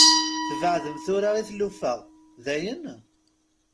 Tbeɛɛdem tura i tlufa, dayen?